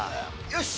よし！